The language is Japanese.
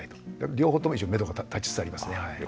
両方とも一緒めどが立ちつつありますね。